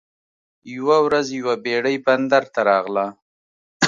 یوه ورځ یوه بیړۍ بندر ته راغله.